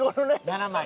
７枚。